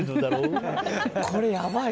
これ、やばい。